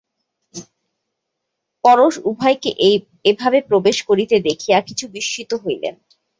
পরেশ উভয়কে এভাবে প্রবেশ করিতে দেখিয়া কিছু বিস্মিত হইলেন।